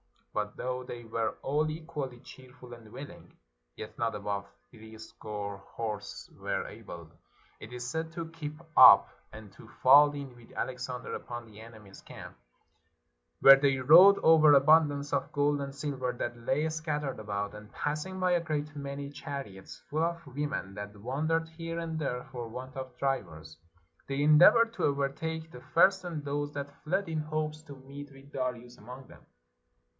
But though they w^ere all equally cheerful and willing, yet not above threescore horse were able, it is said, to keep up, and to fall in with Alexander upon the enemy's camp, where they rode over abundance of gold and silver that lay scattered about, and passing by a great many chariots full of women that wandered here and there for want of drivers, they endeavored to overtake the first of those that fled, in hopes to meet with Darius among them.